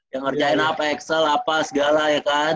yang ngerjain apa excel apa segala ya kan